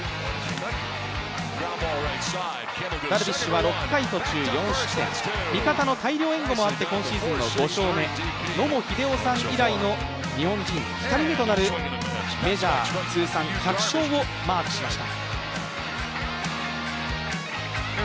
ダルビッシュは６回途中４失点、味方の大量援護もあって、今シーズンの５勝目野茂英雄さん以来の日本人２人目となる、メジャー通算１００勝をマークしました。